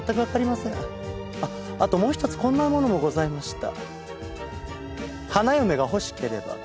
あともう一つこんなものもございました。